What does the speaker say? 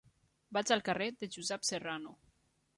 Vaig al carrer de Josep Serrano.